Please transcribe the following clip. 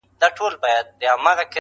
گراني انكار;